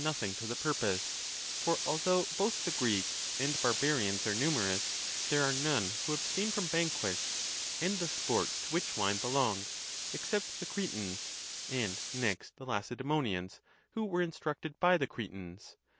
461 tothe purpose ; for although both the Greeks and Barbarians are numerous, there are none, who abstain from banquets, and the sport to which wine belongs, except the Cretans, and next the Lacedzemonians, who were instructed by the Cretans.